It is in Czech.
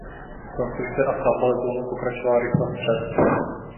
Konstrukce a stavba letounu pokračovala rychle vpřed.